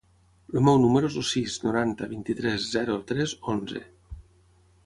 El meu número es el sis, noranta, vint-i-tres, zero, tres, onze.